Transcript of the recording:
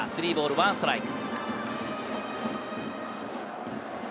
１ストライク。